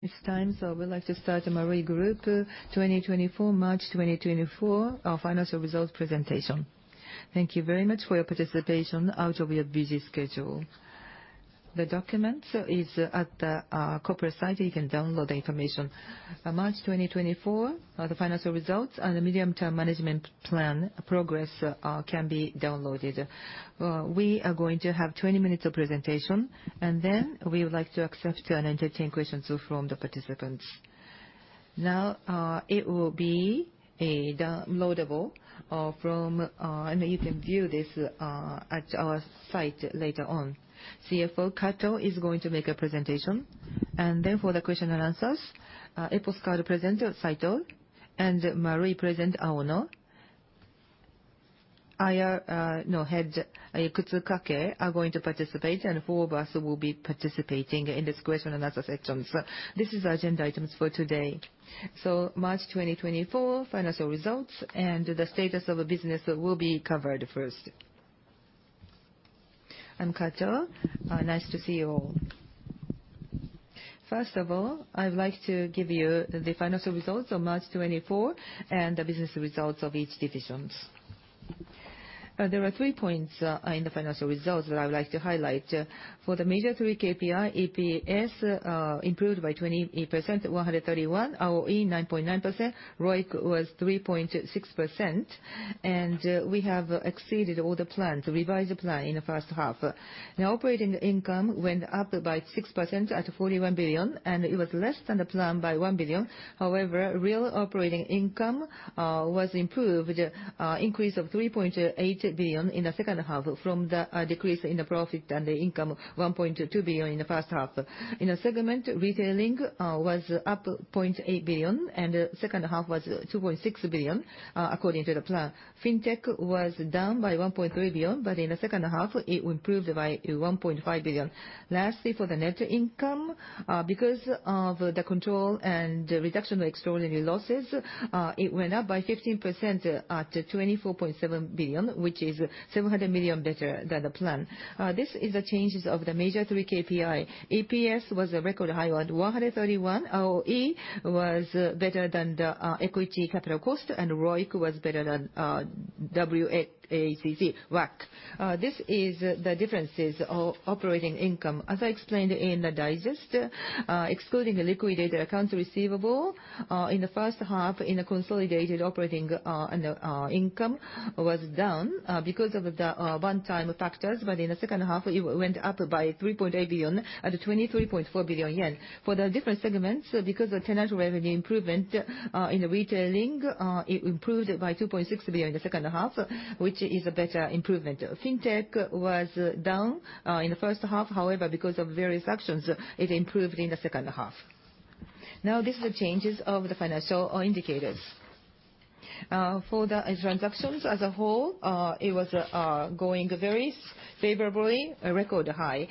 It's time, so we'd like to start the Marui Group 2024 March 2024 financial results presentation. Thank you very much for your participation out of your busy schedule. The documents is at our corporate site, you can download the information. March 2024, the financial results and the medium-term management plan progress, can be downloaded. We are going to have 20 minutes of presentation, and then we would like to accept and entertain questions from the participants. Now, it will be downloadable from, and you can view this at our site later on. CFO Kato is going to make a presentation, and then for the question and answers, Epos Card presenter Saito and Marui presenter Aono, head Kutsukake are going to participate, and four of us will be participating in this question and answer section. So this is the agenda items for today. So March 2024 financial results and the status of the business will be covered first. I'm Kato. Nice to see you all. First of all, I'd like to give you the financial results of March 2024 and the business results of each division. There are three points in the financial results that I would like to highlight. For the major three KPI, EPS improved by 20% to 131, ROE 9.9%, ROIC was 3.6%, and we have exceeded all the plans, revised the plan in the first half. Now, operating income went up by 6% at 41 billion, and it was less than the plan by 1 billion. However, real operating income was improved, increase of 3.8 billion in the second half from the decrease in the profit and the income 1.2 billion in the first half. In the retailing segment, was up 0.8 billion, and the second half was 2.6 billion, according to the plan. Fintech was down by 1.3 billion, but in the second half, it improved by 1.5 billion. Lastly, for the net income, because of the control and reduction of extraordinary losses, it went up by 15% at 24.7 billion, which is 700 million better than the plan. This is the changes of the major three KPI. EPS was a record higher at 131. ROE was better than the equity capital cost, and ROIC was better than WACC. This is the differences of operating income. As I explained in the digest, excluding liquidated accounts receivable, in the first half, in the consolidated operating income was down, because of the one-time factors, but in the second half, it went up by 3.8 billion at 23.4 billion yen. For the different segments, because of tenant revenue improvement, in Retailing, it improved by 2.6 billion in the second half, which is a better improvement. Fintech was down in the first half, however, because of various actions, it improved in the second half. Now, this is the changes of the financial indicators. For the transactions as a whole, it was going very favorably, a record high.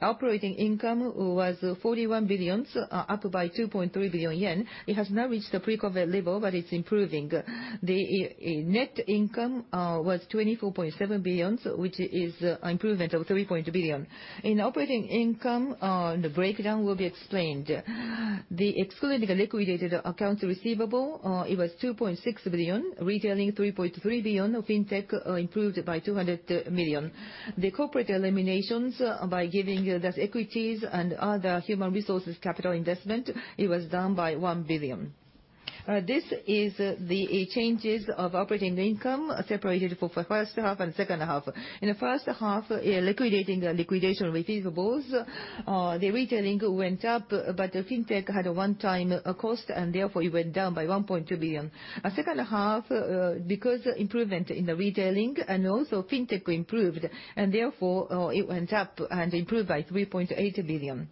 Operating income was 41 billion, up by 2.3 billion yen. It has not reached the pre-COVID level, but it's improving. The net income was 24.7 billion, which is an improvement of 3.2 billion. In operating income, the breakdown will be explained. Excluding liquidated accounts receivable, it was 2.6 billion, Retailing 3.3 billion, Fintech improved by 200 million. The corporate eliminations, by giving those equities and other human resources capital investment, it was down by 1 billion. This is the changes of operating income separated for the first half and second half. In the first half, liquidating liquidation receivables, the Retailing went up, but the Fintech had a one-time cost, and therefore, it went down by 1.2 billion. Second half, because improvement in the Retailing and also Fintech improved, and therefore, it went up and improved by 3.8 billion.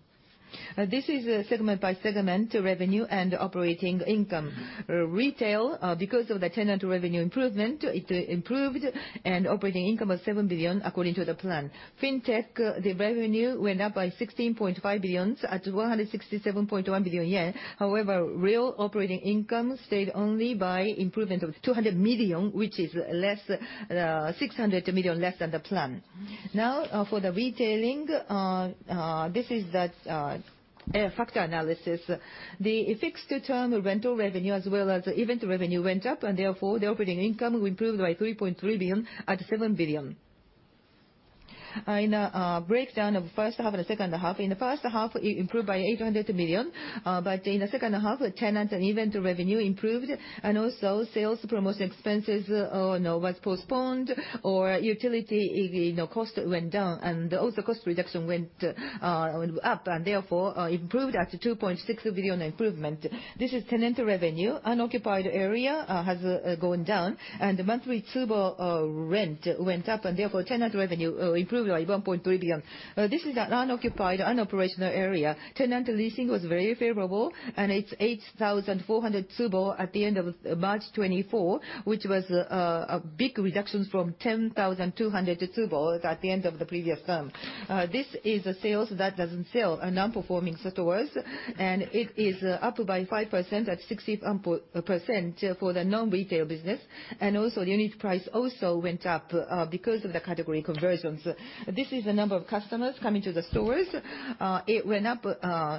This is segment by segment revenue and operating income. Retailing, because of the tenant revenue improvement, it improved, and operating income was 7 billion according to the plan. Fintech, the revenue went up by 16.5 billion at 167.1 billion yen. However, real operating income stayed only by improvement of 200 million, which is less, 600 million less than the plan. Now, for the Retailing, this is that factor analysis. The fixed-term rental revenue as well as event revenue went up, and therefore, the operating income improved by 3.3 billion at 7 billion. In the breakdown of first half and second half, in the first half, it improved by 800 million, but in the second half, tenant and event revenue improved, and also sales promotion expenses, no, was postponed, or utility, you know, cost went down, and also cost reduction went up, and therefore, improved at 2.6 billion improvement. This is tenant revenue. Unoccupied area has gone down, and the monthly Tsubo rent went up, and therefore, tenant revenue improved by 1.3 billion. This is an unoccupied, unoperational area. Tenant leasing was very favorable, and it's 8,400 Tsubo at the end of March 2024, which was a big reduction from 10,200 Tsubo at the end of the previous term. This is sales that doesn't sell non-performing stores, and it is up by 5% at 60% for the non-retail business, and also the unit price also went up, because of the category conversions. This is the number of customers coming to the stores. It went up,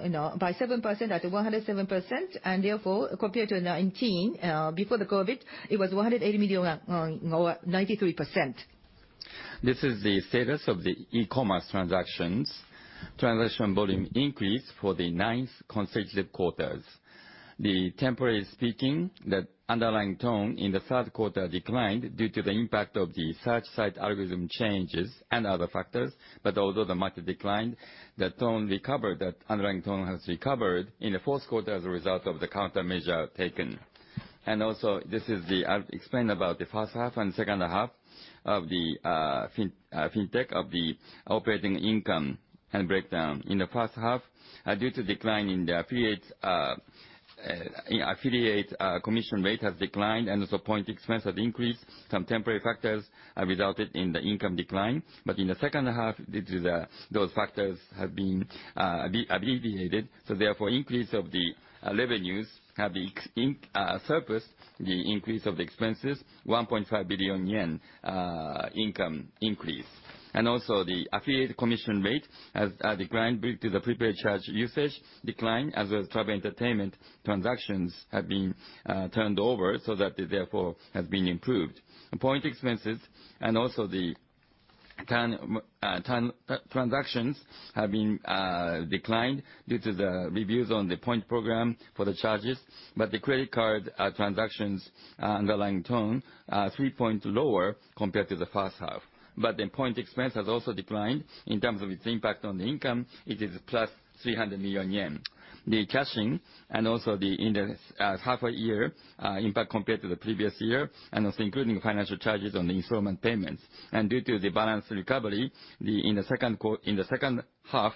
you know, by 7% at 107%, and therefore, compared to 2019, before the COVID, it was 180 million or 93%. This is the status of the e-commerce transactions. Transaction volume increased for the ninth consecutive quarters. Temporarily speaking, the underlying tone in the third quarter declined due to the impact of the search site algorithm changes and other factors, but although the market declined, the tone recovered, the underlying tone has recovered in the fourth quarter as a result of the countermeasure taken. Also, this is, I'll explain about the first half and second half of the fintech of the operating income and breakdown. In the first half, due to decline in the affiliate commission rate has declined, and also point expense has increased. Some temporary factors resulted in the income decline, but in the second half, due to those factors have been abated, so therefore, increase of the revenues have exceeded the increase of the expenses, 1.5 billion yen income increase. And also, the affiliate commission rate has declined due to the prepaid charge usage decline, as well as travel entertainment transactions have been turned over so that it therefore has been improved. Point expenses and also the transactions have declined due to the reviews on the point program for the charges, but the credit card transactions underlying tone three point lower compared to the first half. But the point expense has also declined. In terms of its impact on the income, it is +300 million yen. The cashing and also the interest half-year impact compared to the previous year, and also including financial charges on the installment payments. And due to the balance recovery, in the second quar— in the second half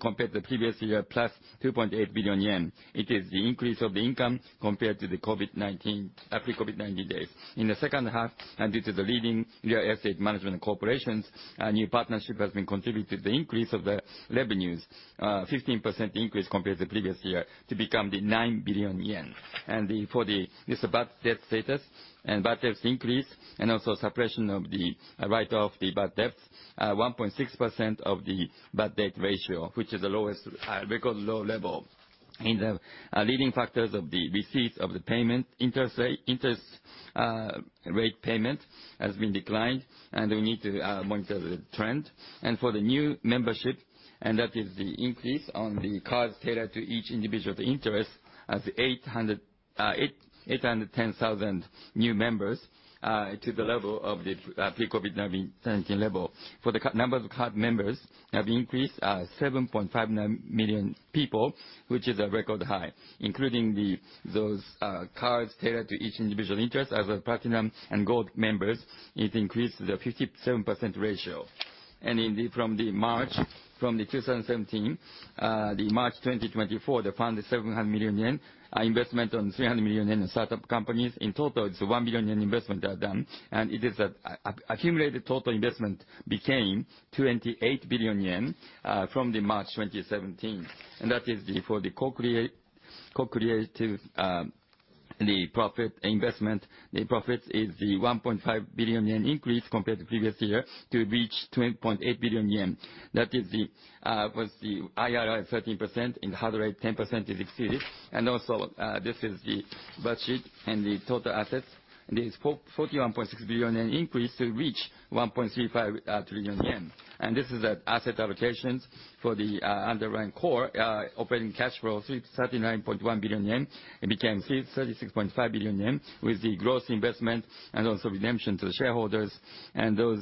compared to the previous year, +2.8 billion yen. It is the increase of the income compared to the COVID-19, after COVID-19 days. In the second half, and due to the leading real estate management corporations, new partnership has been contributed to the increase of the revenues, 15% increase compared to the previous year, to become 9 billion yen. And for the bad debt status and bad debts increase and also suppression of the write-off the bad debts, 1.6% of the bad debt ratio, which is the lowest record low level. In the leading factors of the receipts of the payment, interest rate, interest rate payment has been declined, and we need to monitor the trend. And for the new membership, and that is the increase on the cards tailored to each individual interest at the 800— 810,000 new members, to the level of the pre-COVID-19 level. For the card numbers of card members have increased, 7.59 million people, which is a record high, including those, cards tailored to each individual interest as a platinum and gold members. It increased the 57% ratio. In the from March 2017, the March 2024, the fund is 700 million yen, investment on 300 million in startup companies. In total, it's 1 billion yen investment that are done, and it is that accumulated total investment became 28 billion yen, from March 2017. And that is the for the co-creative, the profit investment, the profits is the 1.5 billion yen increase compared to previous year to reach 2.8 billion yen. That is the, was the IRR 13% and the hurdle rate 10% is exceeded. And also, this is the budget and the total assets. There is a 441.6 billion yen increase to reach 1.35 trillion yen. And this is the asset allocations for the underlying core operating cash flow 39.1 billion yen. It became 36.5 billion yen with the growth investment and also redemption to the shareholders. And those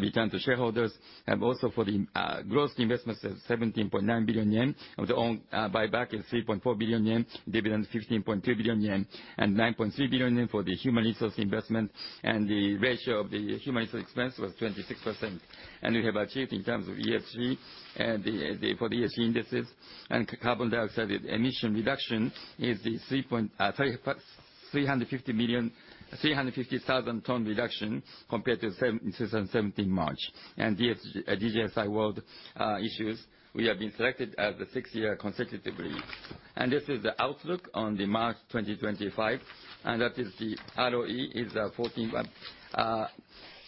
return to shareholders have also for the growth investments of 17.9 billion yen of the own buyback 3.4 billion yen, dividend 15.2 billion yen, and 9.3 billion yen for the human resource investment. And the ratio of the human resource expense was 26%. And we have achieved in terms of ESG and the for the ESG indices, and carbon dioxide emission reduction is the 350,000 ton reduction compared to the 2017 March. And DJSI World index, we have been selected as the sixth year consecutively. This is the outlook on the March 2025, and that is the ROE is 14—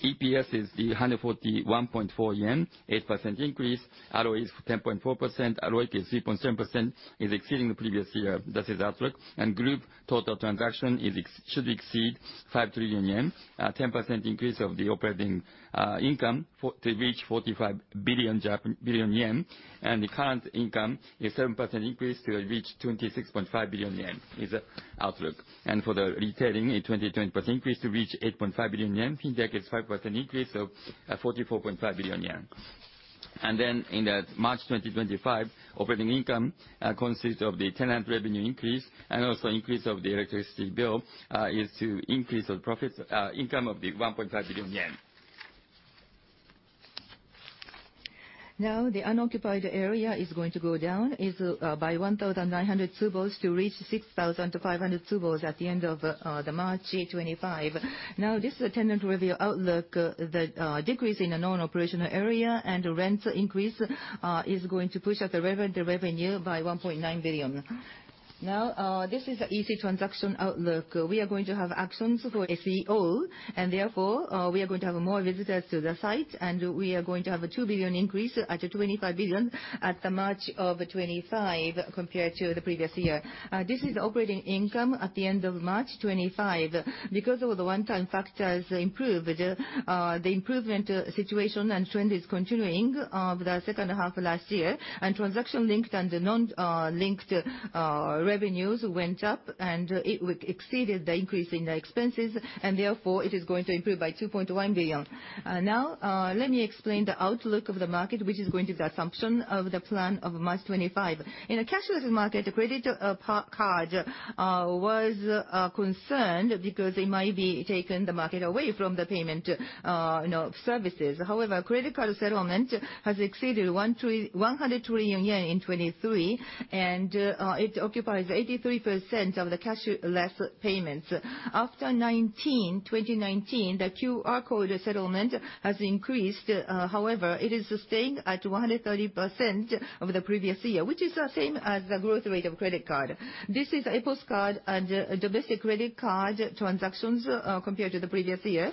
EPS is 141.4 yen, 8% increase. ROE is 10.4%. ROIC is 3.7%, exceeding the previous year. That is the outlook. Group total transaction should exceed 5 trillion yen, 10% increase of the operating income to reach 45 billion yen. And the current income is 7% increase to reach 26.5 billion yen. That is the outlook. And for the retailing, a 22% increase to reach 8.5 billion yen. Fintech is 5% increase of 44.5 billion yen. And then in the March 2025, operating income consists of the tenant revenue increase and also increase of the electricity bill, is to increase of profits income of 1.5 billion yen. Now, the unoccupied area is going to go down by 1,900 tsubo to reach 6,500 tsubo at the end of March 2025. Now, this is a tenant revenue outlook that decrease in the non-operational area and the rent increase is going to push up the revenue by 1.9 billion. Now, this is the EC transaction outlook. We are going to have actions for SEO, and therefore, we are going to have more visitors to the site, and we are going to have a 2 billion increase at 25 billion at the March of 2025 compared to the previous year. This is the operating income at the end of March 2025. Because of the one-time factors improved, the improvement, situation and trend is continuing of the second half of last year, and transaction linked and the non-linked revenues went up, and it exceeded the increase in the expenses, and therefore, it is going to improve by 2.1 billion. Now, let me explain the outlook of the market, which is going to be the assumption of the plan of March 2025. In a cashless market, a credit card was a concern because it might be taken the market away from the payment, you know, services. However, credit card settlement has exceeded 100 trillion yen in 2023, and it occupies 83% of the cashless payments. After 2019, the QR code settlement has increased, however, it is staying at 130% of the previous year, which is the same as the growth rate of credit card. This is Epos Card, domestic credit card transactions compared to the previous year.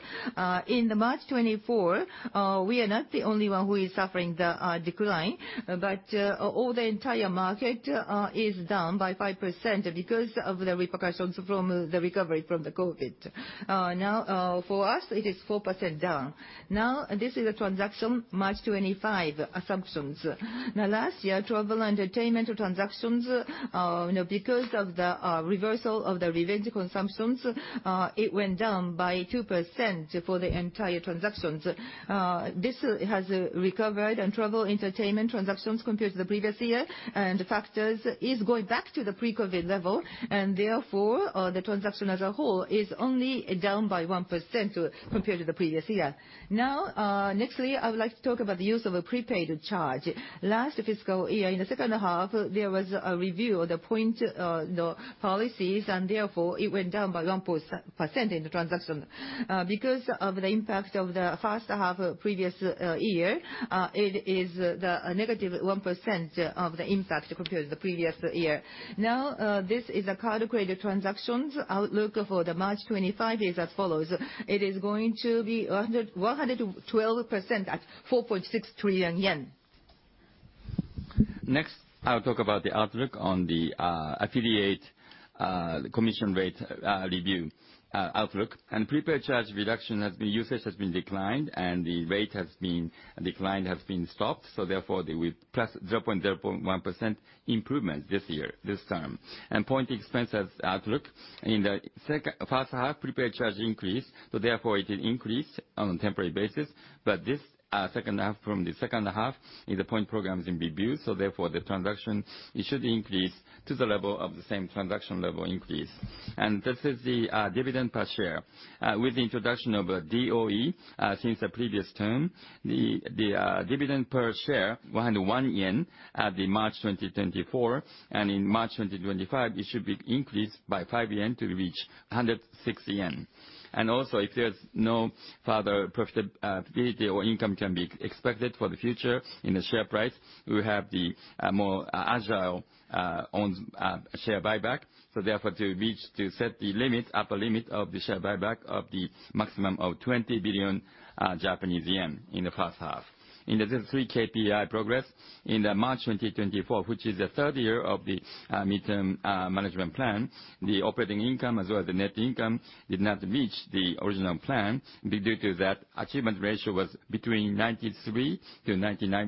In March 2024, we are not the only one who is suffering the decline, but all the entire market is down by 5% because of the repercussions from the recovery from the COVID. Now, for us, it is 4% down. Now, this is the transaction March 2025 assumptions. Now, last year, travel and entertainment transactions, you know, because of the reversal of the revenge consumptions, it went down by 2% for the entire transactions. This has recovered and travel, entertainment transactions compared to the previous year, and factors is going back to the pre-COVID level, and therefore, the transaction as a whole is only down by 1% compared to the previous year. Now, nextly, I would like to talk about the use of a prepaid charge. Last fiscal year, in the second half, there was a review of the points policies, and therefore, it went down by 1% in the transaction. Because of the impact of the first half of previous year, it is the -1% of the impact compared to the previous year. Now, this is a card credit transactions outlook for the March 2025 is as follows. It is going to be 112% at 4.6 trillion yen. Next, I'll talk about the outlook on the affiliate commission rate review outlook. Prepaid charge reduction usage has been declined, and the rate decline has been stopped, so therefore, they will +0.01% improvement this year, this term. Point expense has outlook in the second first half, prepaid charge increase, so therefore, it is increased on a temporary basis, but this second half from the second half is the point programs in review, so therefore, the transaction it should increase to the level of the same transaction level increase. This is the dividend per share. With the introduction of a DOE since the previous term, the dividend per share 101 yen at March 2024, and in March 2025, it should be increased by 5 yen to reach 106 yen. Also, if there's no further profitability or income can be expected for the future in the share price, we have the more agile own share buyback, so therefore, to reach to set the limit, upper limit of the share buyback of the maximum of 20 billion Japanese yen in the first half. In the this is three KPI progress. In March 2024, which is the third year of the midterm management plan, the operating income as well as the net income did not reach the original plan due to that achievement ratio was between 93%-99%.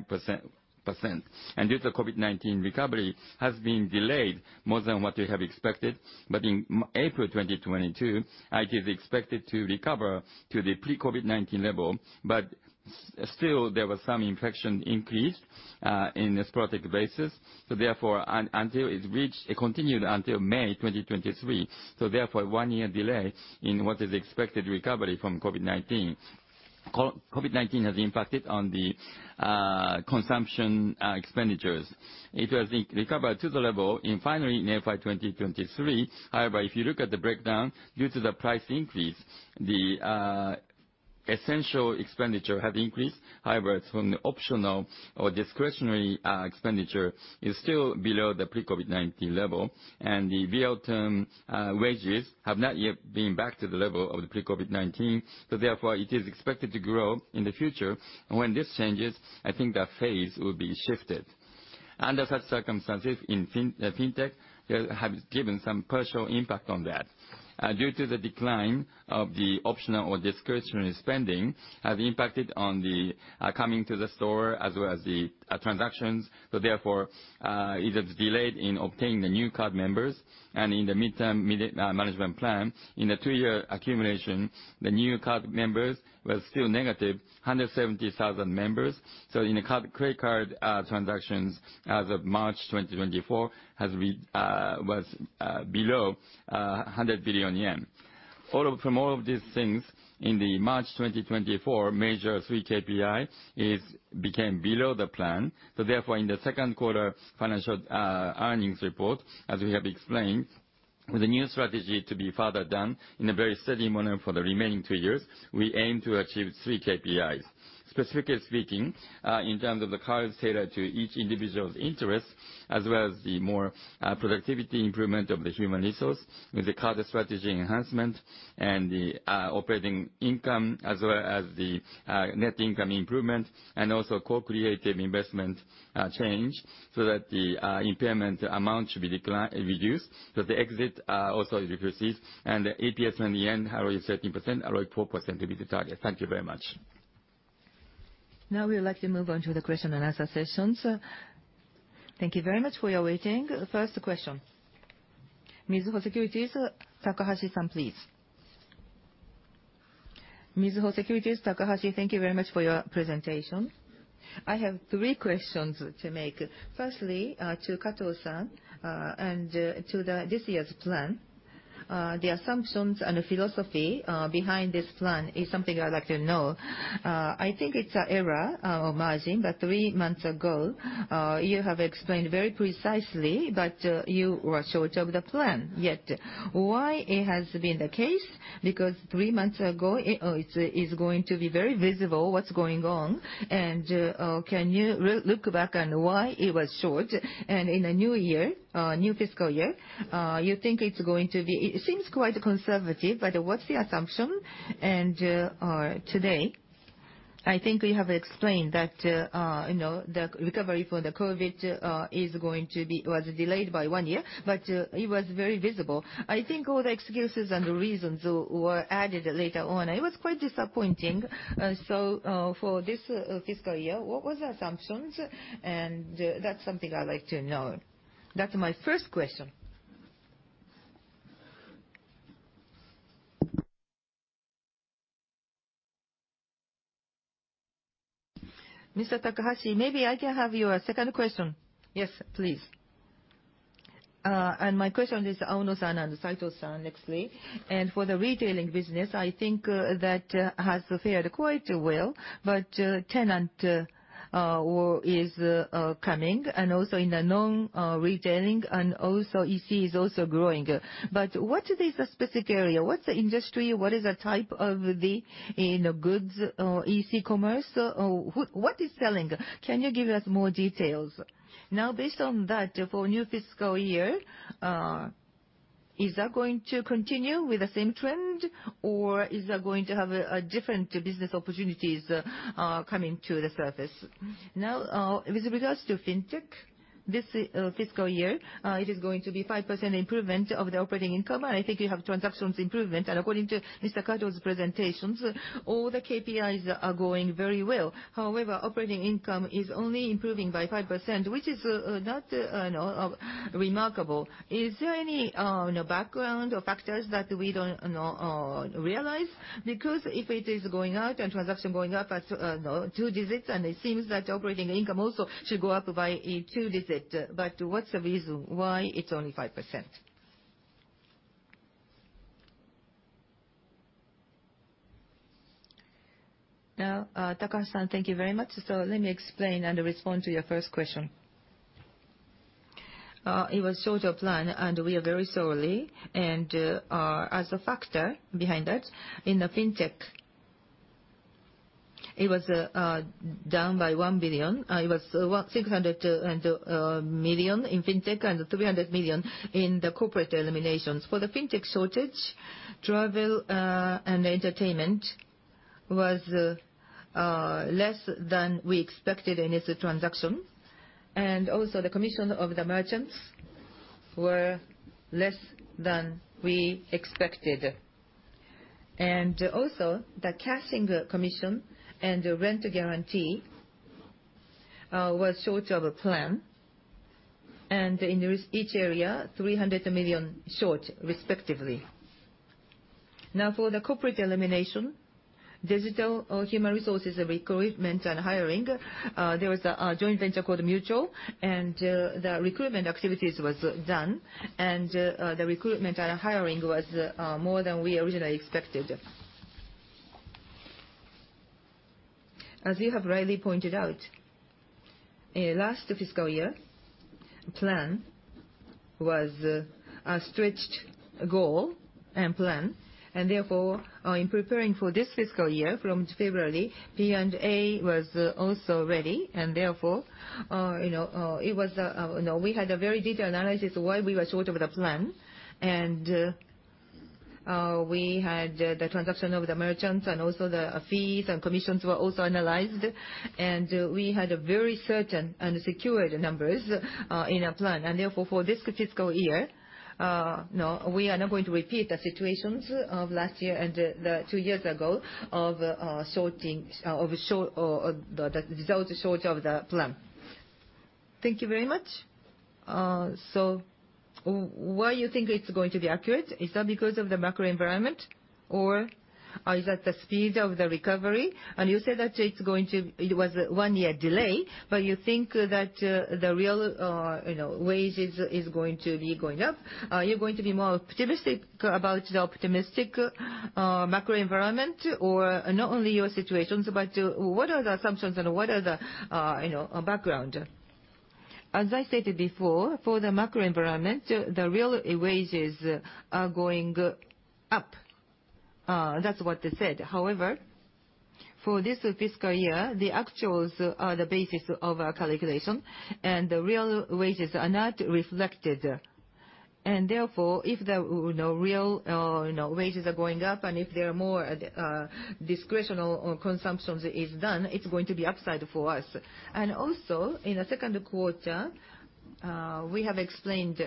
Due to COVID-19 recovery, has been delayed more than what we have expected, but in April 2022, it is expected to recover to the pre-COVID-19 level, but still, there was some infection increase, in a sporadic basis, so therefore, until it reached it continued until May 2023, so therefore, one-year delay in what is expected recovery from COVID-19. COVID-19 has impacted on the consumption expenditures. It was in recovered to the level in finally in FY 2023. However, if you look at the breakdown, due to the price increase, the essential expenditure have increased, however, it's from the optional or discretionary expenditure is still below the pre-COVID-19 level, and the real-term wages have not yet been back to the level of the pre-COVID-19, so therefore, it is expected to grow in the future, and when this changes, I think that phase will be shifted. Under such circumstances in FinTech, there have given some partial impact on that due to the decline of the optional or discretionary spending, has impacted on the coming to the store as well as the transactions, so therefore, it has delayed in obtaining the new card members. And in the midterm management plan, in the two-year accumulation, the new card members were still -170,000 members, so in the credit card transactions as of March 2024 was below 100 billion yen. From all of these things, in the March 2024, major three KPIs became below the plan, so therefore, in the second quarter financial earnings report, as we have explained, with the new strategy to be further done in a very steady manner for the remaining two years, we aim to achieve three KPIs. Specifically speaking, in terms of the cards tailored to each individual's interest as well as the more productivity improvement of the human resource, with the card strategy enhancement and the operating income as well as the net income improvement and also co-creative investment, change so that the impairment amount should be decline, reduced, so the exit also decreases, and the EPS JPY 200, ROE 13%, ROIC 4% to be the target. Thank you very much. Now, we would like to move on to the question and answer session. Thank you very much for your waiting. First question. Mizuho Securities, Takahashi-san, please. Mizuho Securities. Takahashi, thank you very much for your presentation. I have three questions to make. Firstly, to Kato-san, and to this year's plan. The assumptions and the philosophy behind this plan is something I'd like to know. I think it's an error, or margin, but three months ago, you have explained very precisely, but you were short of the plan. Yet, why it has been the case? Because three months ago, it is going to be very visible what's going on, and can you look back on why it was short, and in a new year, new fiscal year, you think it's going to be, it seems quite conservative, but what's the assumption? And today, I think you have explained that, you know, the recovery for the COVID is going to be was delayed by one year, but it was very visible. I think all the excuses and the reasons were added later on, and it was quite disappointing. So, for this fiscal year, what was the assumptions? That's something I'd like to know. That's my first question. Mr. Takahashi, maybe I can have your second question. Yes, please. And my question is Aono-san and Saito-san nextly. And for the retailing business, I think that has fared quite well, but tenants are coming, and also in the non-retailing, and also EC is also growing. But what is the specific area? What's the industry? What is the type of the, you know, goods, EC commerce? What is selling? Can you give us more details? Now, based on that, for new fiscal year, is that going to continue with the same trend, or is that going to have a, a different business opportunities, coming to the surface? Now, with regards to fintech, this, fiscal year, it is going to be 5% improvement of the operating income, and I think you have transactions improvement, and according to Mr. Kato's presentations, all the KPIs are going very well. However, operating income is only improving by 5%, which is, not, you know, remarkable. Is there any, you know, background or factors that we don't, you know, realize? Because if it is going out and transaction going up as, you know, two digits, and it seems that operating income also should go up by a two-digit, but what's the reason why it's only 5%? Now, Takahashi-san, thank you very much. So let me explain and respond to your first question. It was short of plan, and we are very sorry, and, as a factor behind that, in the fintech, it was down by 1 billion. It was 600 million in fintech and 300 million in the corporate eliminations. For the fintech shortage, travel and entertainment was less than we expected in its transaction, and also, the commission of the merchants were less than we expected. And also, the cashing commission and the rent guarantee was short of plan, and in the each area, 300 million short, respectively. Now, for the corporate elimination, digital human resources recruitment and hiring, there was a joint venture called Mutual, and the recruitment activities was done, and the recruitment and hiring was more than we originally expected. As you have rightly pointed out, last fiscal year plan was a stretched goal and plan, and therefore, in preparing for this fiscal year from February, P&A was also ready, and therefore, you know, it was a, you know, we had a very detailed analysis why we were short of the plan, and we had the transaction of the merchants and also the fees and commissions were also analyzed, and we had very certain and secured numbers in a plan, and therefore, for this fiscal year, you know, we are not going to repeat the situations of last year and the two years ago of short of the plan. Thank you very much. So why you think it's going to be accurate? Is that because of the macro environment, or is that the speed of the recovery? You said that it was a one-year delay, but you think that the real, you know, wages is going to be going up. Are you going to be more optimistic about the optimistic macro environment, or not only your situations, but what are the assumptions and what are the, you know, background? As I stated before, for the macro environment, the real wages are going up. That's what they said. However, for this fiscal year, the actuals are the basis of our calculation, and the real wages are not reflected, and therefore, if the, you know, real, you know, wages are going up and if there are more discretionary consumptions is done, it's going to be upside for us. And also, in the second quarter, we have explained,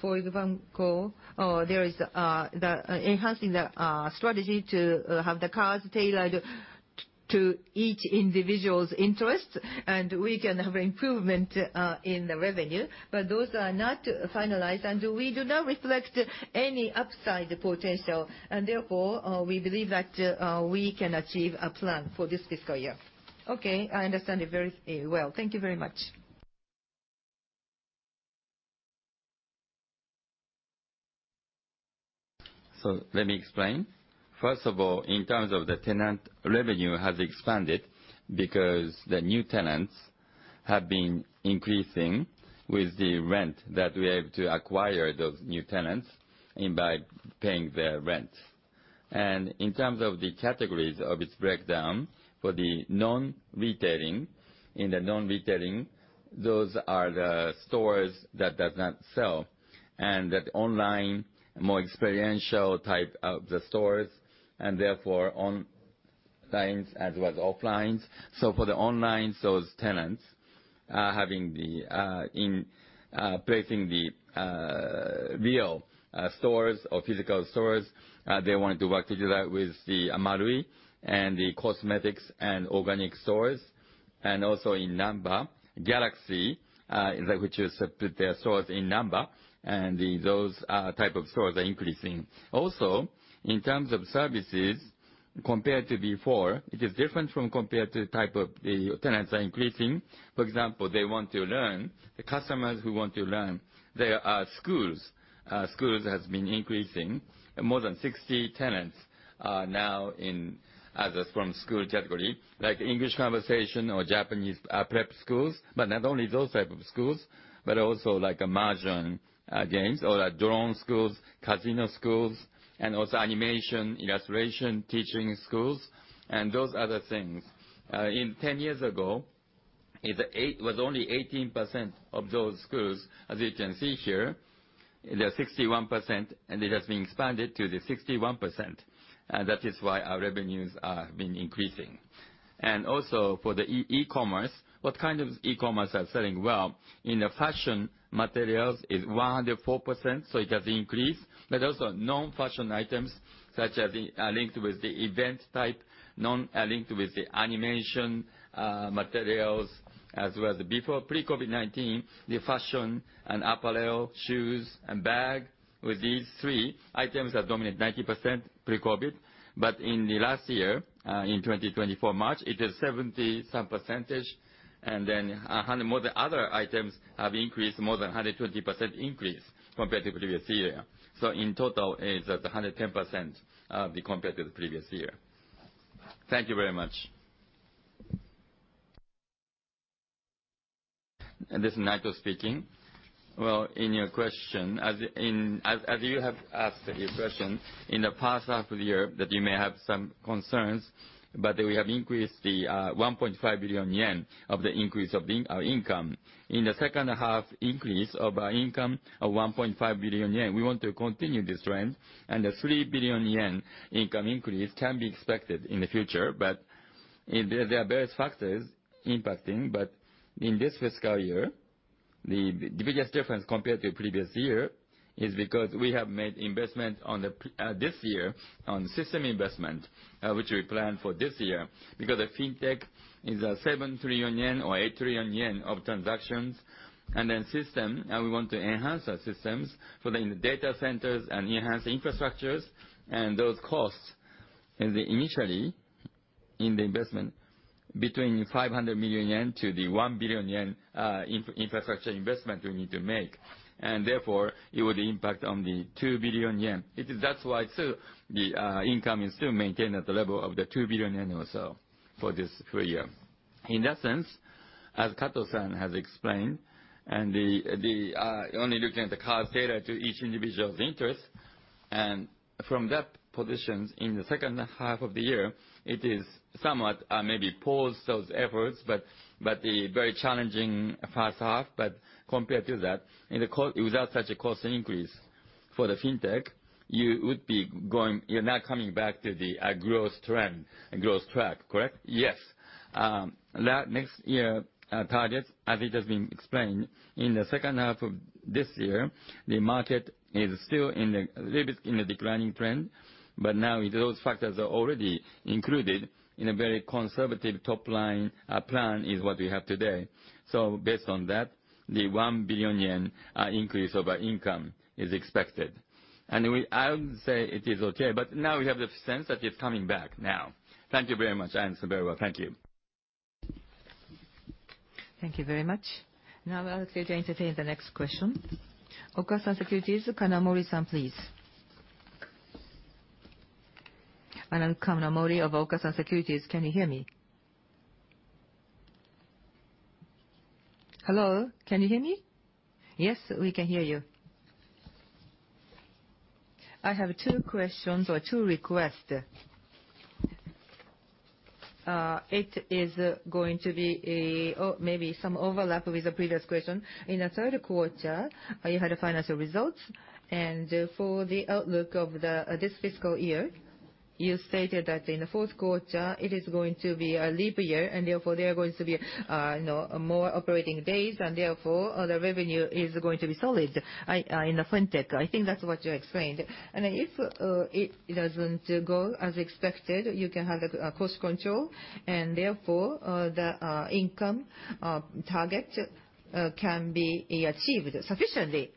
for example, there is the enhancing the strategy to have the cards tailored to each individual's interest, and we can have improvement in the revenue, but those are not finalized, and we do not reflect any upside potential, and therefore, we believe that we can achieve a plan for this fiscal year. Okay. I understand it very well. Thank you very much. So let me explain. First of all, in terms of the tenant revenue, it has expanded because the new tenants have been increasing with the rent that we have to acquire those new tenants in by paying their rent. And in terms of the categories of its breakdown, for the non-retailing, in the non-retailing, those are the stores that does not sell and the online, more experiential type of the stores, and therefore, onlines as well as offlines. So for the onlines, those tenants, having the, in, placing the real, stores or physical stores, they wanted to work together with the Marui and the cosmetics and organic stores, and also in Namba, Galaxy, is that which is put their stores in Namba, and the those, type of stores are increasing. Also, in terms of services, compared to before, it is different from compared to type of the tenants are increasing. For example, they want to learn. The customers who want to learn, there are schools. Schools have been increasing. More than 60 tenants are now in as a from school category, like English conversation or Japanese prep schools, but not only those type of schools, but also, like, margin, games or, drone schools, casino schools, and also animation, illustration, teaching schools, and those other things. In 10 years ago, it was only 18% of those schools, as you can see here. They are 61%, and it has been expanded to the 61%, and that is why our revenues are been increasing. And also, for the e-commerce, what kind of e-commerce are selling well? In the fashion materials is 104%, so it has increased, but also, non-fashion items such as linked with the event type, non-linked with the animation materials, as well as before, pre-COVID-19, the fashion and apparel, shoes, and bag, with these three items have dominated 90% pre-COVID, but in the last year, in March 2024, it is 70-some percentage, and then more than other items have increased more than 120% increase compared to previous year. So in total, it is at 110% compared to the previous year. Thank you very much. This is Saito speaking. Well, in your question, as in, as you have asked your question, in the past half of the year, that you may have some concerns, but we have increased the 1.5 billion yen of the increase of our income. In the second half, increase of our income of 1.5 billion yen, we want to continue this trend, and a 3 billion yen income increase can be expected in the future, but there are various factors impacting, but in this fiscal year, the biggest difference compared to previous year is because we have made investment this year, on system investment, which we planned for this year because the fintech is 7 trillion yen or 8 trillion yen of transactions, and then system, we want to enhance our systems in the data centers and enhance infrastructures, and those costs, initially in the investment between 500 million-1 billion yen infrastructure investment we need to make, and therefore, it would impact on the 2 billion yen. That's why it's still the income is still maintained at the level of the 2 billion yen or so for this full year. In that sense, as Kato-san has explained, and the only looking at the cards tailored to each individual's interest, and from that position, in the second half of the year, it is somewhat maybe paused those efforts, but the very challenging past half, but compared to that, without such a cost increase for the fintech, you would be going, you're not coming back to the growth trend, growth track, correct? Yes. That next year target, as it has been explained, in the second half of this year, the market is still a little bit in the declining trend, but now those factors are already included in a very conservative topline plan is what we have today. So based on that, the 1 billion yen increase of our income is expected. And I would say it is okay, but now we have the sense that it's coming back now. Thank you very much. You answered very well. Thank you. Thank you very much. Now, I'll gladly entertain the next question. Okasan Securities, Kanamori-san, please. And I'm Kanamori of Okasan Securities. Can you hear me? Hello? Can you hear me? Yes, we can hear you. I have two questions or two requests. It is going to be, oh, maybe some overlap with the previous question. In the third quarter, you had financial results, and for the outlook of the, this fiscal year, you stated that in the fourth quarter, it is going to be a leap year, and therefore, there are going to be, you know, more operating days, and therefore, the revenue is going to be solid, in the fintech. I think that's what you explained. And if, it doesn't go as expected, you can have the, cost control, and therefore, the, income, target, can be achieved sufficiently.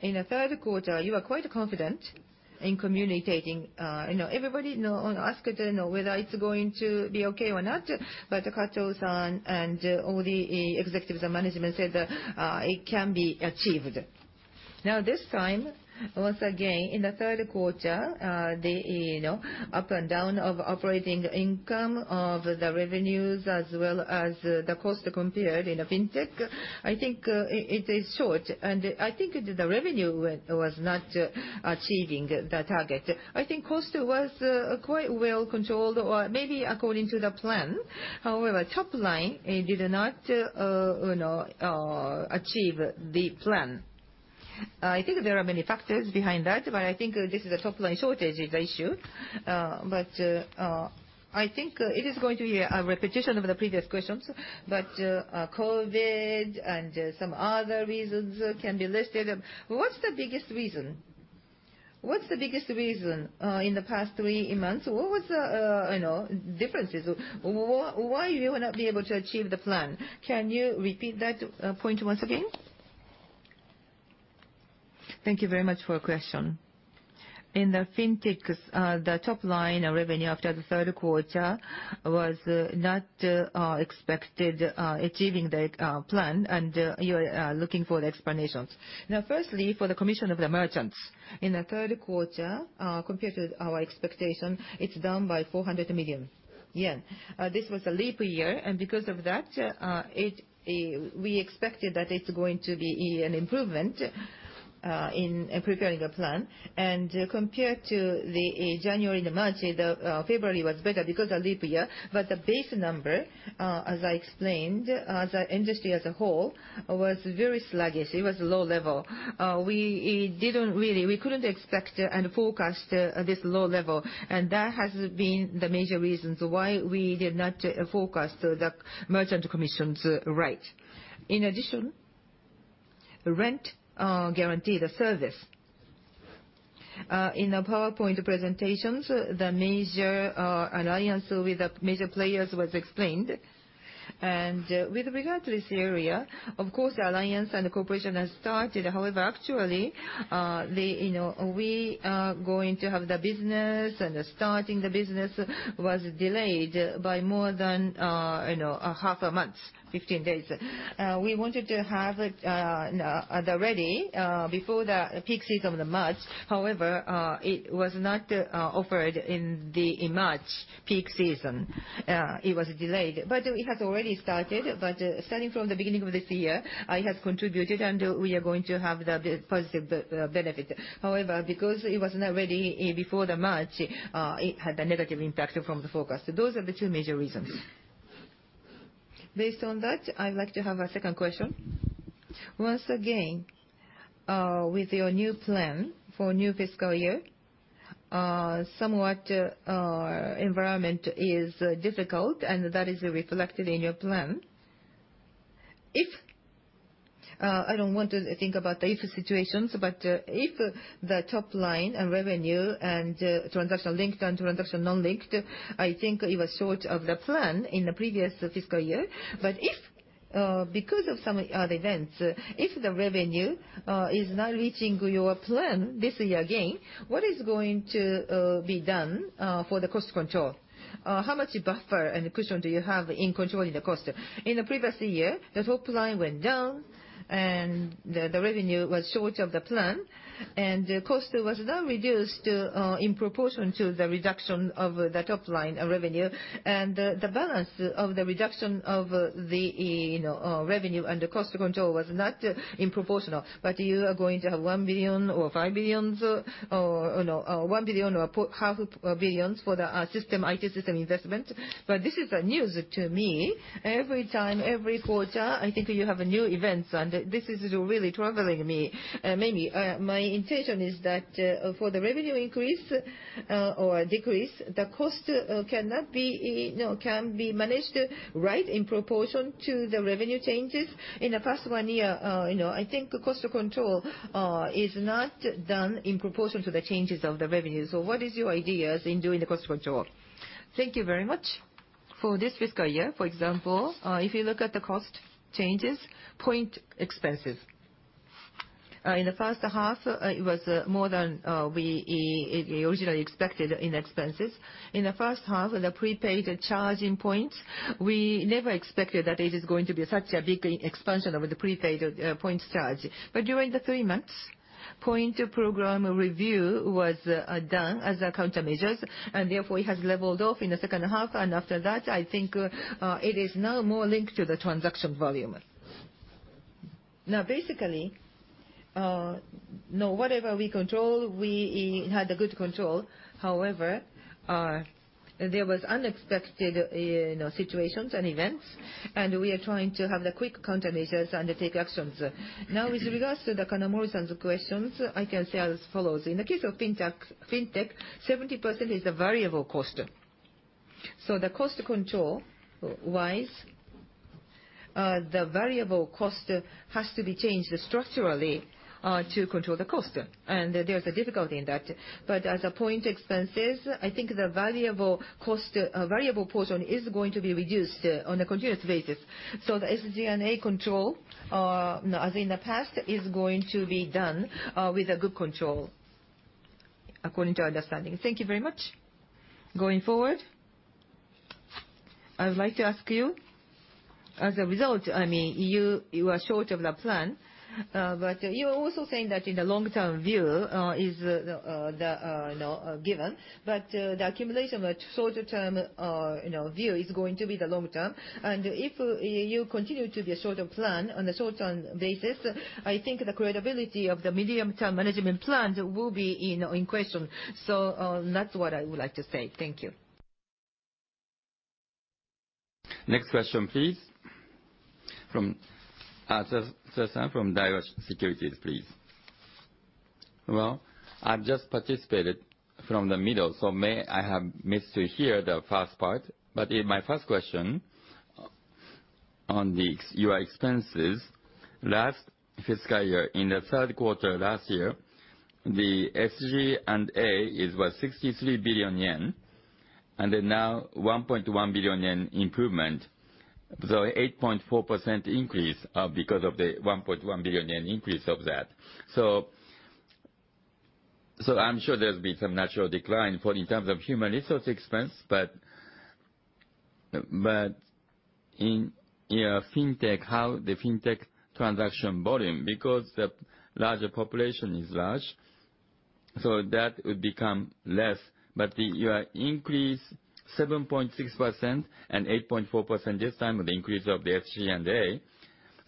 In the third quarter, you were quite confident in communicating, you know, everybody, you know, asked, you know, whether it's going to be okay or not, but Kato-san and all the executives and management said that it can be achieved. Now, this time, once again, in the third quarter, the, you know, up and down of operating income of the revenues as well as the cost compared in the fintech, I think, it is short, and I think the revenue was not achieving the target. I think cost was quite well controlled or maybe according to the plan. However, top line, it did not, you know, achieve the plan. I think there are many factors behind that, but I think this is a topline shortage is the issue, but I think it is going to be a repetition of the previous questions, but COVID and some other reasons can be listed. What's the biggest reason? What's the biggest reason in the past three months? What was the, you know, differences? Why were you not able to achieve the plan? Can you repeat that point once again? Thank you very much for your question. In the fintechs, the topline revenue after the third quarter was not expected achieving the plan, and you were looking for the explanations. Now, firstly, for the commission of the merchants, in the third quarter, compared to our expectation, it's down by 400 million yen. This was a leap year, and because of that, we expected that it's going to be an improvement in preparing a plan, and compared to January and March, February was better because of leap year, but the base number, as I explained, as an industry as a whole, was very sluggish. It was low level. We didn't really— we couldn't expect and forecast this low level, and that has been the major reasons why we did not forecast the merchant commissions right. In addition, rent guarantee service. In the PowerPoint presentations, the major alliance with the major players was explained, and with regard to this area, of course, the alliance and the cooperation has started. However, actually, you know, we going to have the business and starting the business was delayed by more than, you know, a half a month, 15 days. We wanted to have it, you know, ready before the peak season of March. However, it was not offered in the March peak season. It was delayed, but it has already started, but starting from the beginning of this year, it has contributed, and we are going to have the positive benefit. However, because it was not ready before March, it had a negative impact from the forecast. Those are the two major reasons. Based on that, I'd like to have a second question. Once again, with your new plan for new fiscal year, somewhat our environment is difficult, and that is reflected in your plan. If— I don't want to think about the if situations, but if the topline and revenue and transaction linked and transaction non-linked, I think it was short of the plan in the previous fiscal year, but if, because of some other events, if the revenue is not reaching your plan this year again, what is going to be done for the cost control? How much buffer and cushion do you have in controlling the cost? In the previous year, the topline went down, and the revenue was short of the plan, and the cost was not reduced in proportion to the reduction of the topline revenue, and the balance of the reduction of the, you know, revenue and the cost control was not in proportional, but you are going to have 1 billion or 5 billion or, you know, 1 billion or so half billion for the system IT system investment, but this is news to me. Every time, every quarter, I think you have a new event, and this is really troubling me. Maybe my intention is that for the revenue increase or decrease, the cost cannot be, you know, can be managed right in proportion to the revenue changes. In the past one year, you know, I think cost control is not done in proportion to the changes of the revenue. So what is your ideas in doing the cost control? Thank you very much. For this fiscal year, for example, if you look at the cost changes, point expenses. In the first half, it was more than we originally expected in expenses. In the first half, the prepaid charging points, we never expected that it is going to be such a big expansion of the prepaid points charge, but during the three months, point program review was done as account measures, and therefore, it has leveled off in the second half, and after that, I think it is now more linked to the transaction volume. Now, basically, no, whatever we control, we had a good control. However, there was unexpected, you know, situations and events, and we are trying to have the quick countermeasures and take actions. Now, with regards to the Kanamori-san's questions, I can say as follows. In the case of fintech, 70% is the variable cost. So the cost control-wise, the variable cost has to be changed structurally, to control the cost, and there's a difficulty in that, but as a point expenses, I think the variable cost, variable portion is going to be reduced on a continuous basis. So the SG&A control, you know, as in the past, is going to be done, with a good control, according to our understanding. Thank you very much. Going forward, I would like to ask you, as a result, I mean, you are short of the plan, but you are also saying that in the long-term view, the, you know given, but the accumulation of a shorter term, you know, view is going to be the long-term, and if you continue to be short of plan on a short-term basis, I think the credibility of the medium-term management plans will be in question. So, that's what I would like to say. Thank you. Next question, please. From Suda-san from Daiwa Securities, please. Well, I've just participated from the middle, so may I have missed to hear the first part, but in my first question on the SG&A expenses, last fiscal year, in the third quarter last year, the SG&A is, well, 63 billion yen, and then now 1.1 billion yen improvement, so 8.4% increase, because of the 1.1 billion yen increase of that. So I'm sure there's been some natural decline for in terms of human resource expense, but in fintech, how the fintech transaction volume, because the larger population is large, so that would become less, but your increase 7.6% and 8.4% this time with the increase of the SG&A,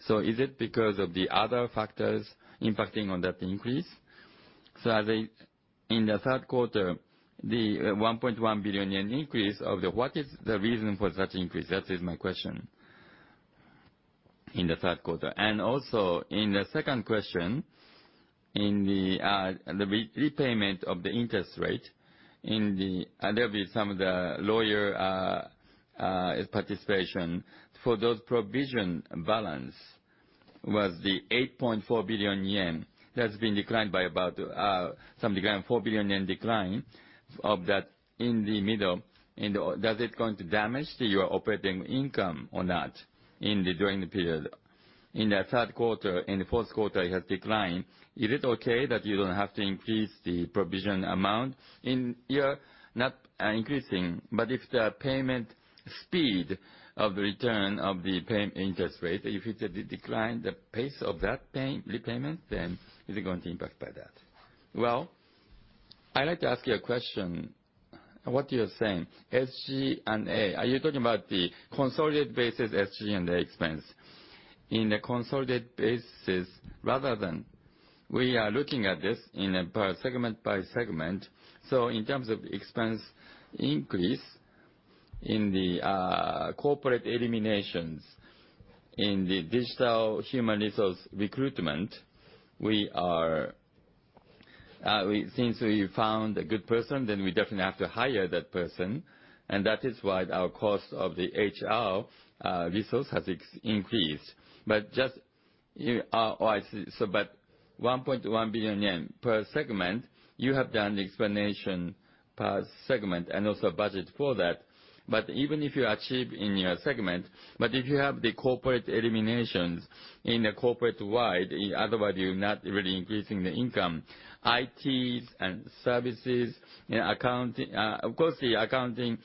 so is it because of the other factors impacting on that increase? So in the third quarter, the 1.1 billion yen increase, what is the reason for such increase? That is my question in the third quarter. And also, in the second question, in the repayment of the interest rate, in there'll be some of the lawyer participation. For those provision balance, was the 8.4 billion yen that's been declined by about, some decline 4 billion yen decline of that in the middle, does it going to damage your operating income or not during the period? In the third quarter, in the fourth quarter, it has declined. Is it okay that you don't have to increase the provision amount? In year not increasing, but if the payment speed of the return of the pay interest rate, if it declined, the pace of that repayment, then is it going to impact by that? Well, I'd like to ask you a question. What you're saying, SG&A, are you talking about the consolidated basis SG&A expense? In the consolidated basis, rather than we are looking at this in a per segment by segment, so in terms of expense increase in the corporate eliminations in the digital human resource recruitment, since we found a good person, then we definitely have to hire that person, and that is why our cost of the HR resource has increased, but just you oh, I see. So but 1.1 billion yen per segment, you have done the explanation per segment and also budget for that, but even if you achieve in your segment, but if you have the corporate eliminations in the corporate wide, otherwise, you're not really increasing the income, ITs and services and accounting of course, the accounting,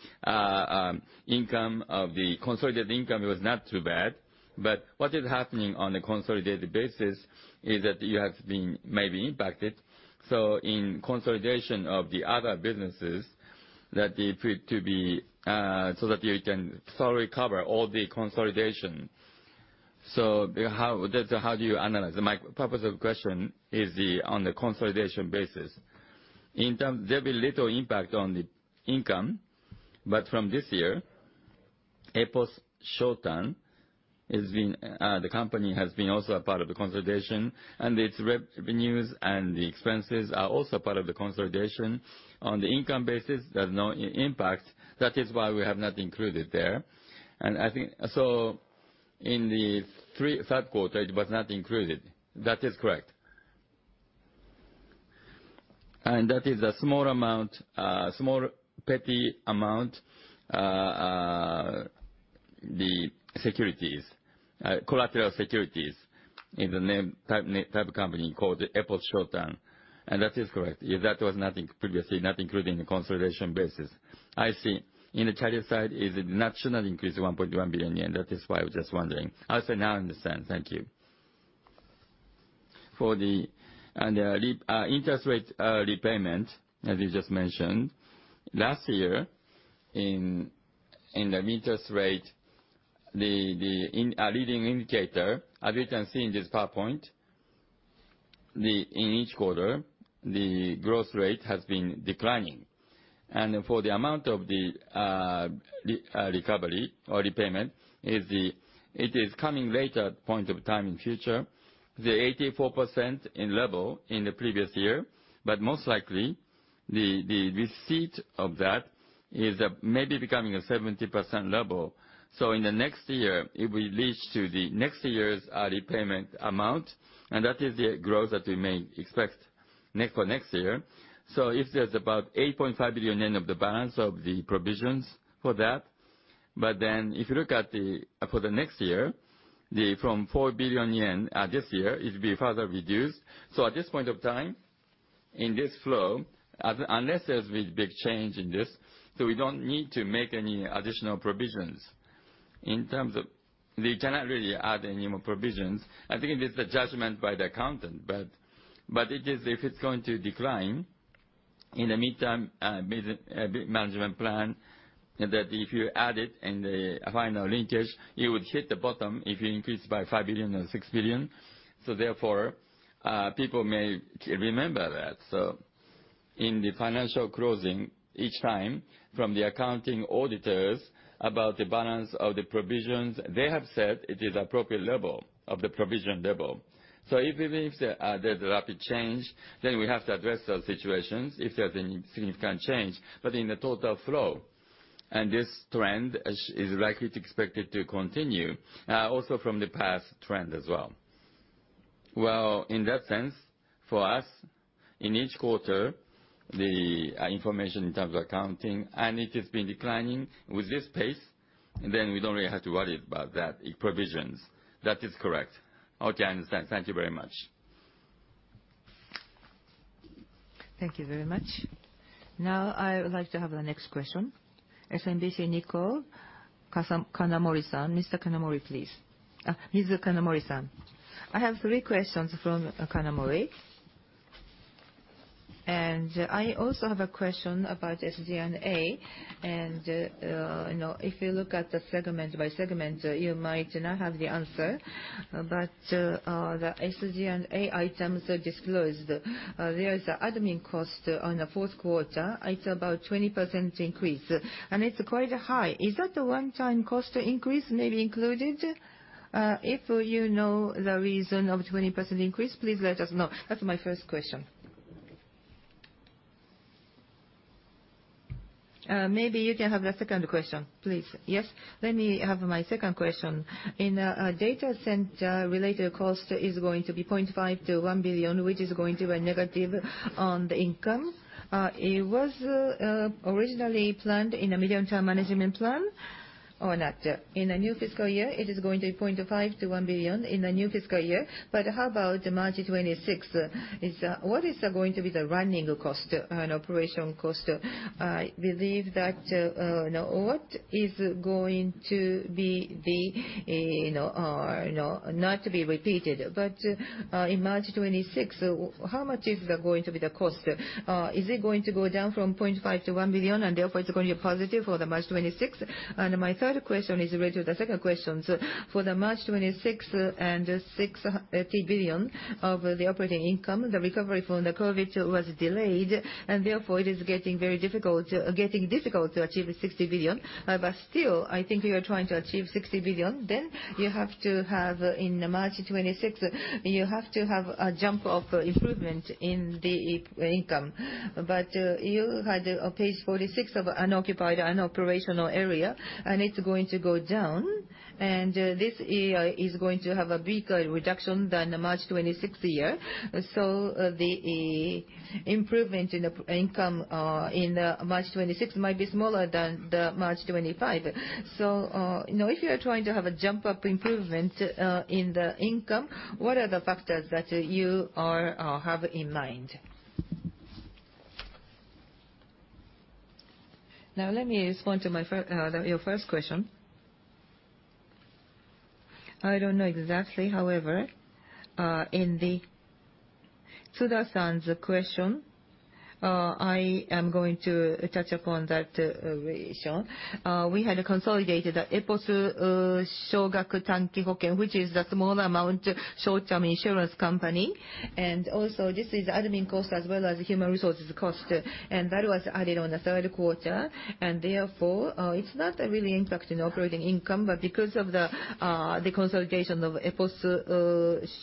income of the consolidated income was not too bad, but what is happening on a consolidated basis is that you have been maybe impacted. So in consolidation of the other businesses that you put to be, so that you can fully cover all the consolidation. So how that's how do you analyze? My purpose of question is the on the consolidation basis. In turn, there'll be little impact on the income, but from this year, Epos Short-Term has been— the company has been also a part of the consolidation, and its revenues and the expenses are also a part of the consolidation. On the income basis, there's no impact. That is why we have not included there, and I think so in the third quarter, it was not included. That is correct. That is a small amount, small petty amount, the securities, collateral securities in the name type— type of company called Epos Short-Term, and that is correct. That was nothing previously, not including the consolidation basis. I see. In the [equity] side, is it net increase 1.1 billion yen? That is why I was just wondering. I say now I understand. Thank you. For the interest rate and repayment, as you just mentioned, last year, in the interest rate, the leading indicator, as we can see in this PowerPoint, in each quarter, the growth rate has been declining, and for the amount of the recovery or repayment, it is coming later point in time in the future, the 84% level in the previous year, but most likely, the receipt of that is maybe becoming a 70% level, so in the next year, it will reach the next year's repayment amount, and that is the growth that we may expect for next year. So if there's about 8.5 billion yen of the balance of the provisions for that, but then if you look at for the next year, from 4 billion yen this year, it'll be further reduced, so at this point of time, in this flow, unless there's big change in this, so we don't need to make any additional provisions. In terms of, we cannot really add any more provisions. I think it is the judgment by the accountant, but it is if it's going to decline in the meantime, mid management plan, that if you add it in the final linkage, it would hit the bottom if you increase by 5 billion or 6 billion, so therefore, people may remember that. So in the financial closing, each time, from the accounting auditors about the balance of the provisions, they have said it is appropriate level of the provision level. So even if there's a rapid change, then we have to address those situations if there's any significant change, but in the total flow, and this trend is likely to expected to continue, also from the past trend as well. Well, in that sense, for us, in each quarter, the information in terms of accounting, and it has been declining with this pace, then we don't really have to worry about that provisions. That is correct. Okay, I understand. Thank you very much. Thank you very much. Now, I would like to have the next question. SMBC Nikko's Kanamori-san, Mr. Kanamori, please— Ms. Kanamori-san. I have three questions from Kanamori, and I also have a question about SG&A, and you know, if you look at the segment by segment, you might not have the answer, but the SG&A items are disclosed. There's an admin cost on the fourth quarter, it's about 20% increase, and it's quite high. Is that the one-time cost increase maybe included? If you know the reason of 20% increase, please let us know. That's my first question. Maybe you can have the second question, please. Yes? Let me have my second question. Data center-related cost is going to be 0.5 billion-1 billion, which is going to be a negative on the income. It was originally planned in a medium-term management plan or not? In the new fiscal year, it is going to be 0.5 billion-1 billion in the new fiscal year, but how about March 2026? What is going to be the running cost and operation cost? I believe that you know what is going to be the you know not to be repeated but in March 2026 how much is there going to be the cost? Is it going to go down from 0.5 billion-1 billion and therefore it's going to be positive for the March 2026? And my third question is related to the second questions. For the March 2026 and 80 billion of the operating income, the recovery from the COVID was delayed, and therefore, it is getting very difficult, getting difficult to achieve 60 billion, but still, I think you are trying to achieve 60 billion, then you have to have in March 2026, you have to have a jump of improvement in the income, but you had page 46 of unoccupied and operational area, and it's going to go down, and this year is going to have a bigger reduction than the March 2026 year, so the improvement in the income in the March 2026 might be smaller than the March 2025. So, you know, if you are trying to have a jump of improvement in the income, what are the factors that you are have in mind? Now, let me respond to your first question. I don't know exactly, however, in the Suda-san's question, I am going to touch upon that ratio. We had consolidated the Epos, Shogaku Tanki Hoken, which is the small amount, short-term insurance company, and also, this is admin cost as well as human resources cost, and that was added on the third quarter, and therefore, it's not really impacting the operating income, but because of the consolidation of Epos,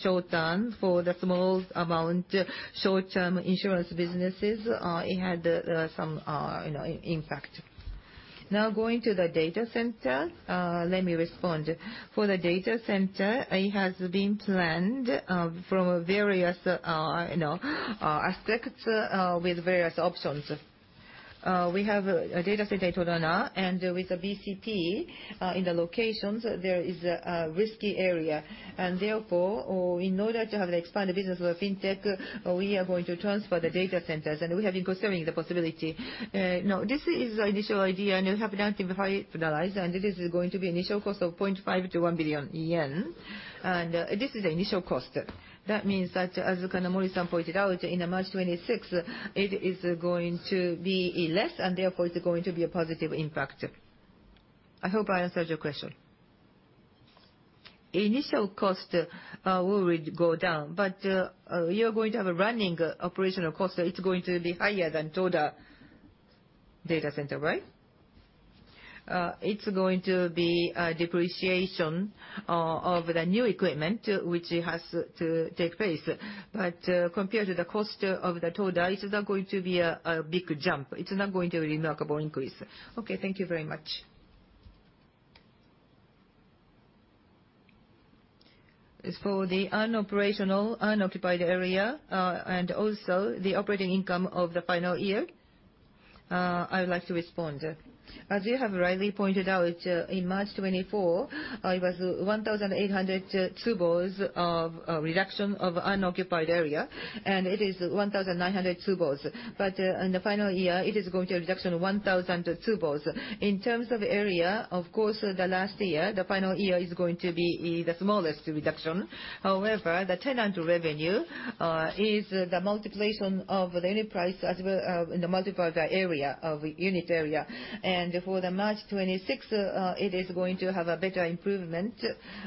short-term for the small amount short-term insurance businesses, it had, some, you know, impact. Now, going to the data center, let me respond. For the data center, it has been planned, from various, you know, aspects, with various options. We have a data center in Toda, and with the BCP, in the locations, there is a risky area, and therefore, in order to have the expanded business of fintech, we are going to transfer the data centers, and we have been considering the possibility. You know, this is the initial idea, and we have not finalized, and this is going to be initial cost of 0.5 billion-1 billion yen, and, this is the initial cost. That means that, as Kanamori-san pointed out, in March 2026, it is going to be less, and therefore, it's going to be a positive impact. I hope I answered your question. Initial cost will go down, but you're going to have a running operational cost. It's going to be higher than Toda data center, right? It's going to be a depreciation of the new equipment, which has to take place, but compared to the cost of the Toda, it's not going to be a big jump. It's not going to be a remarkable increase. Okay, thank you very much. For the non-operational unoccupied area, and also the operating income of the final year, I would like to respond. As you have rightly pointed out, in March 2024, it was 1,800 tsubos reduction of unoccupied area, and it is 1,900 tsubos, but in the final year, it is going to be a reduction of 1,000 tsubos. In terms of area, of course, the last year, the final year is going to be the smallest reduction. However, the tenant revenue is the multiplication of the unit price as well in the multiplier area of unit area, and for March 2026, it is going to have a better improvement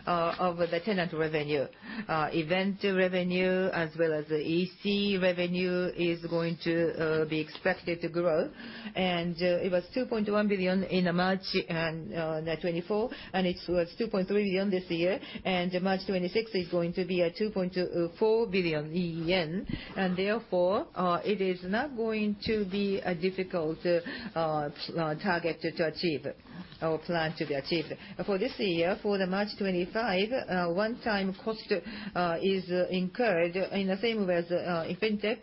of the tenant revenue. Event revenue as well as the EC revenue is going to be expected to grow, and it was 2.1 billion in March 2024, and it was 2.3 billion this year, and March 2026 is going to be 2.4 billion yen, and therefore, it is not going to be a difficult target to achieve or plan to be achieved. For this year, for the March 2025 one-time cost, is incurred in the same way as in fintech,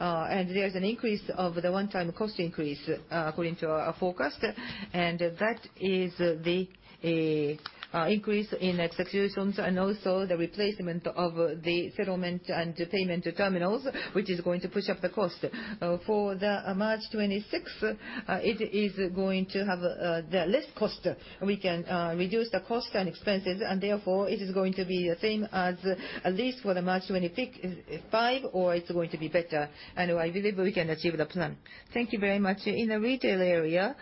and there's an increase of the one-time cost increase, according to our forecast, and that is the increase in executions and also the replacement of the settlement and payment terminals, which is going to push up the cost. For the March 2026, it is going to have the less cost. We can reduce the cost and expenses, and therefore, it is going to be the same as at least for the March 2025, or it's going to be better, and I believe we can achieve the plan. Thank you very much. In the retail area,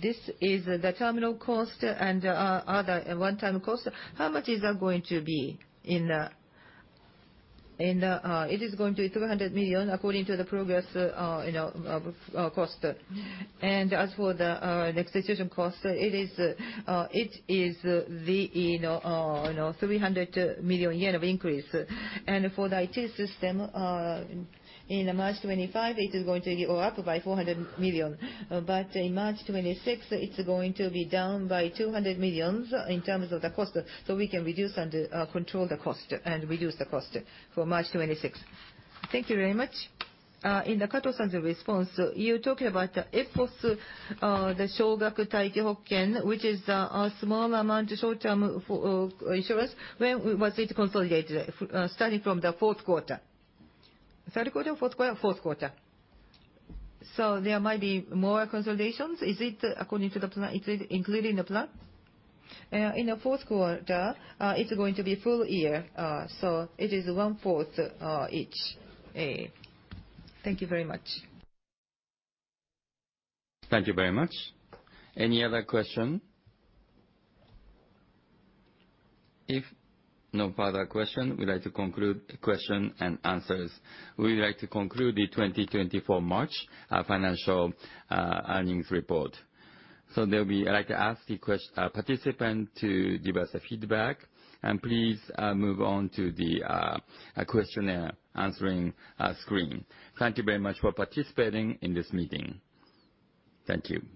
this is the terminal cost and other one-time cost. How much is that going to be? It is going to be 300 million according to the progress, you know, of cost, and as for the execution cost, it is the you know, 300 million yen of increase, and for the IT system, in March 2025, it is going to go up by 400 million, but in March 2026, it's going to be down by 200 million in terms of the cost, so we can reduce and control the cost and reduce the cost for March 2026. Thank you very much. In the Kato-san's response, you talked about the Epos, the Shogaku Tanki Hoken, which is a small amount short-term insurance. When was it consolidated, starting from the fourth quarter? Third quarter, fourth quarter? Fourth quarter. So there might be more consolidations. Is it according to the plan? Is it included in the plan? In the fourth quarter, it's going to be full year, so it is 1/4 each. Thank you very much. Thank you very much. Any other question? If no further question, we'd like to conclude question and answers. We'd like to conclude the March 2024 financial earnings report. So there'll be. I'd like to ask the questionnaire participants to give us feedback, and please move on to the questionnaire answering screen. Thank you very much for participating in this meeting. Thank you.